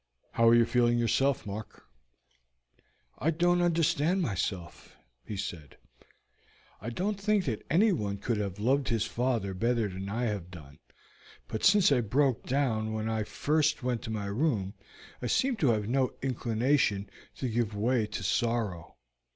How are you feeling yourself, Mark?" "I don't understand myself," he said. "I don't think that anyone could have loved his father better than I have done; but since I broke down when I first went to my room I seem to have no inclination to give way to sorrow.